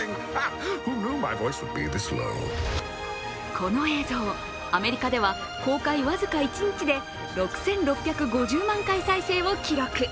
この映像、アメリカでは公開僅か一日で６６５０万回再生を記録。